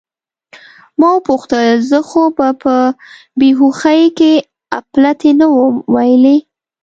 ما وپوښتل: زه خو به په بې هوښۍ کې اپلتې نه وم ویلي؟